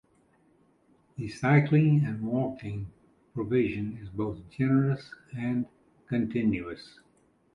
The cycling and walking provision is both generous and continuous.